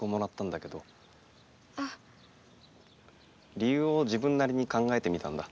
りゆうを自分なりに考えてみたんだ。